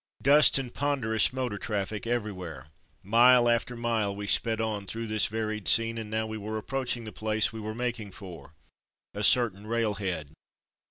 Dust and ponderous motor traffic every where. Mile after mile we sped on through this varied scene, and now we were approach no From Mud to Mufti ing the place we were making for — a certain railhead.